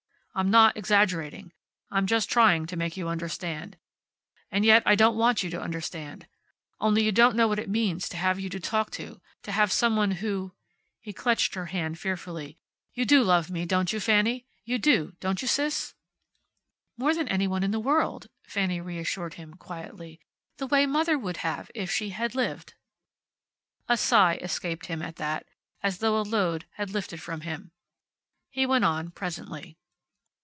I'm not exaggerating. I'm just trying to make you understand. And yet I don't want you to understand. Only you don't know what it means to have you to talk to. To have some one who" he clutched her hand, fearfully "You do love me, don't you, Fanny? You do, don't you, Sis?" "More than any one in the world," Fanny reassured him, quietly. "The way mother would have, if she had lived." A sigh escaped him, at that, as though a load had lifted from him. He went on, presently.